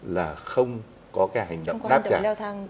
là không có cái hành động